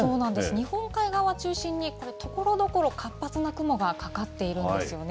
日本海側を中心に、ところどころ、活発な雲がかかっているんですよね。